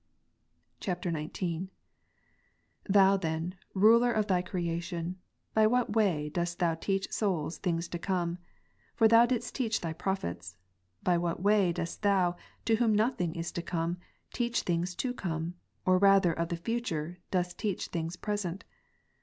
[XIX.] 25. Thou then, Ruler of Thy creation, by what way dost Thou teach souls things to come ? For Thou didst teach Thy Prophets. By what way dost Thou, to Whom' nothing is to come, teach things to come ; or rather of the future, dost teach things present